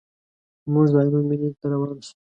موږ د عینو مینې ته روان شوو.